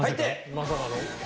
まさかの？